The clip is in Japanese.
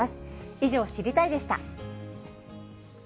以上、知りたいッ！でした。